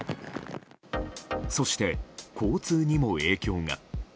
そして、交通にも影響が。